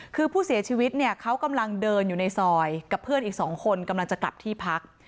คือผู้เสียชีวิตเนี่ยเขากำลังเดินอยู่ในซอยกับเพื่อนอีก๒คนกำลังจะกลับที่พัก